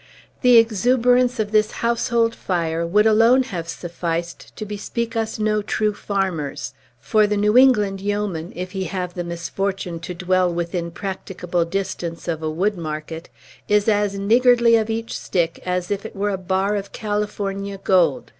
The exuberance of this household fire would alone have sufficed to bespeak us no true farmers; for the New England yeoman, if he have the misfortune to dwell within practicable distance of a wood market, is as niggardly of each stick as if it were a bar of California gold.